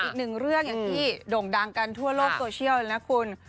อีกหนึ่งเรื่องอย่างที่โด่งดังกันทั่วโลกโซเชียลเลยนะคุณ